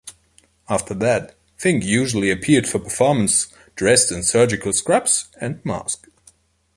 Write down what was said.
After that, Fink usually appeared for performance dressed in surgical scrubs and mask.